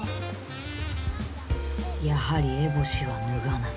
やはり烏帽子は脱がない。